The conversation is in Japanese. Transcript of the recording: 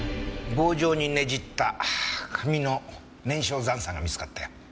棒状にねじった紙の燃焼残渣が見つかったよ。